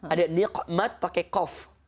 ada ni'mat pakai qawf